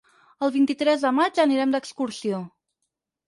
El vint-i-tres de maig anirem d'excursió.